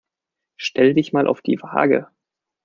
Stell dich mal auf die Waage.